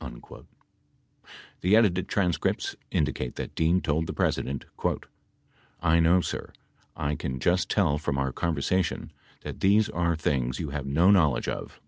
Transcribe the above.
59 The edited transcripts indicate that Dean told the President : "I know, sir. I can just tell from our conversation that these are things you have no knowledge of."